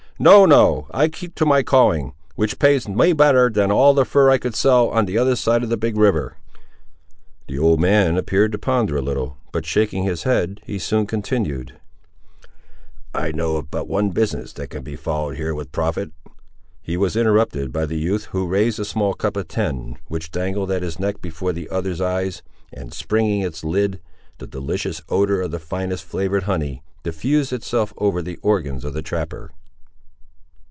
No—no—I keep to my calling; which pays me better, than all the fur I could sell on the other side of the big river." The old man appeared to ponder a little; but shaking his head he soon continued— "I know of but one business that can be followed here with profit—" He was interrupted by the youth, who raised a small cup of tin, which dangled at his neck before the other's eyes, and springing its lid, the delicious odour of the finest flavoured honey, diffused itself over the organs of the trapper.